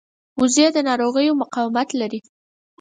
وزې د ناروغیو مقاومت لري